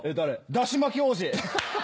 だし巻き王子。